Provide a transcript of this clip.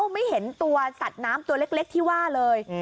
ไม่เห็นตัวสัตว์น้ำตัวเล็กที่ว่าเลย